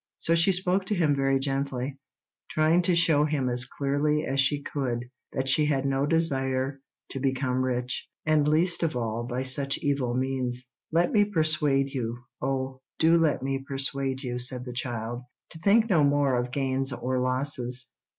So she spoke to him very gently, trying to show him as clearly as she could that she had no desire to become rich, and least of all by such evil means. "Let me persuade you—oh, do let me persuade you," said the child, "to think no more of gains or losses.